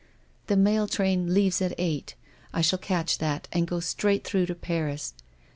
The mail train leaves at eight — I shall catch that, and go straight through to Paris.